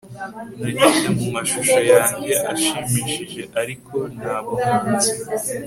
nanyuze mu mashusho yanjye ashimishije, ariko nta buhanzi